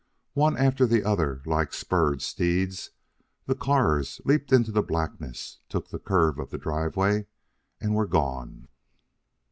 One after the other, like spurred steeds, the cars leaped into the blackness, took the curve of the driveway, and were gone.